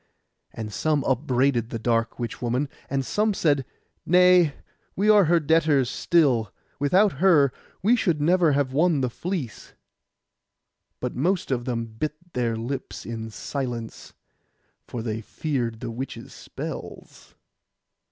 And some upbraided the dark witch woman, and some said, 'Nay, we are her debtors still; without her we should never have won the fleece.' But most of them bit their lips in silence, for they feared the witch's spells.